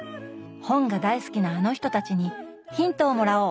本が大好きなあの人たちにヒントをもらおう！